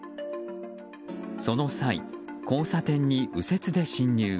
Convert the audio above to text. その際、交差点に右折で侵入。